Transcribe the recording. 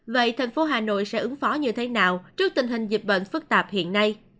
vậy thành phố hà nội sẽ ứng phó như thế nào trước tình hình dịch bệnh phức tạp hiện nay